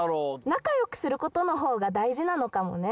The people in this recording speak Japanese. なかよくすることのほうがだいじなのかもねみんなね。